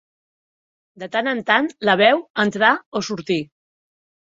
De tant en tant la veu entrar o sortir.